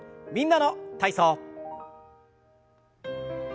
「みんなの体操」。